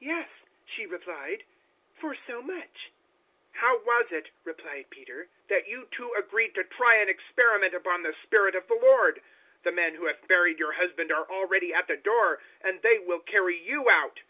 "Yes," she replied, "for so much." 005:009 "How was it," replied Peter, "that you two agreed to try an experiment upon the Spirit of the Lord? The men who have buried your husband are already at the door, and they will carry you out."